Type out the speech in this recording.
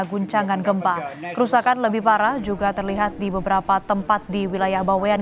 guncangan gempa kerusakan lebih parah juga terlihat di beberapa tempat di wilayah bawean